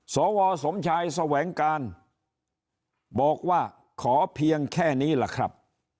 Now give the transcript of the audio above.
สวสมชายแสวงการบอกว่าขอเพียงแค่นี้ล่ะครับ